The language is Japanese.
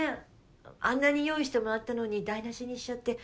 あんなに用意してもらったのに台無しにしちゃって。